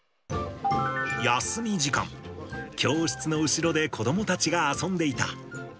休み時間、教室の後ろで子どもたちが遊んでいた。